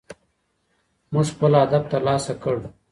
موږ خپل هدف ترلاسه کړ.